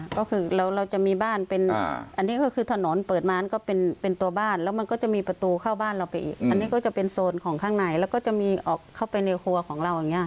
ก็คือเราจะมีบ้านเป็นอันนี้ก็คือถนนเปิดมาก็เป็นตัวบ้านแล้วมันก็จะมีประตูเข้าบ้านเราไปอีกอันนี้ก็จะเป็นโซนของข้างในแล้วก็จะมีออกเข้าไปในครัวของเราอย่างนี้